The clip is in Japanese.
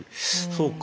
そうか。